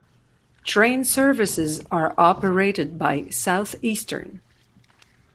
Train services are operated by Southeastern.